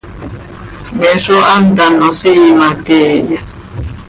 ¿Me zó hant ano siima queeya?